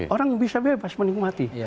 orang bisa bebas menikmati